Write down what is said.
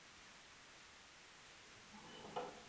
Más tarde publicaría otras ediciones y estudios sobre este autor.